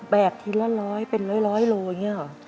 ทีละร้อยเป็นร้อยโลอย่างนี้หรอ